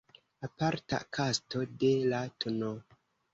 Aparta kasto de la tn.